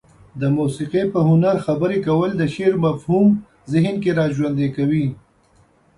د موسيقي په هنر خبرې کول د شعر مفهوم ذهن کې را ژوندى کوي.